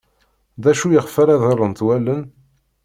D acu iɣef ara ḍillent wallen?